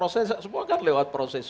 semua kan lewat proses hukum